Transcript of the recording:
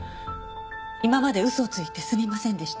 今まで嘘をついてすみませんでした。